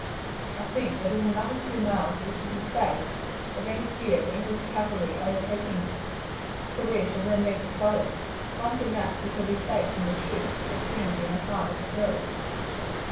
I think that in another two miles we shall be safe from any fear of the English cavalry overtaking us, for we shall then reach a forest. Once in that we shall be safe from pursuit, and shall soon be in the heart of the hills."